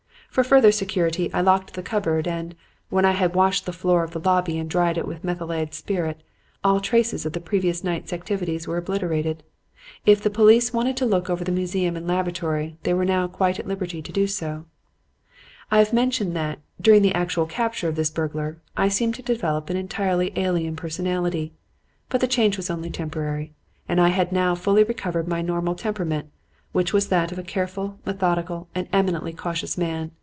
For further security I locked the cupboard, and, when I had washed the floor of the lobby and dried it with methylated spirit, all traces of the previous night's activities were obliterated. If the police wanted to look over the museum and laboratory, they were now quite at liberty to do so. "I have mentioned that, during the actual capture of this burglar, I seemed to develop an entirely alien personality. But the change was only temporary, and I had now fully recovered my normal temperament, which is that of a careful, methodical and eminently cautious man.